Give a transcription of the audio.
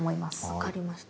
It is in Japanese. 分かりました。